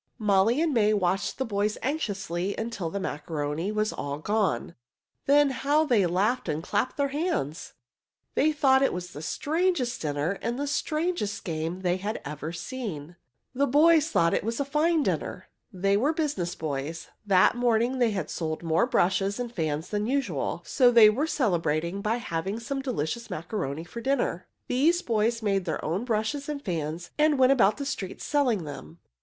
Molly and May watched the boys anxiously until the macaroni was all gone. Then how they laughed and clapped their hands! They thought it was the strangest dinner and the strangest game they had ever seen. The boys thought it was a fine dinner. They were business boys. That morning they had sold more brushes and fans than usual, so they were celebrating by having some delicious macaroni for dinner. These boys made their own brushes and fans, and went about the streets selling them.